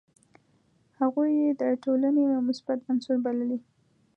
هغوی یې د ټولني یو مثبت عنصر بللي.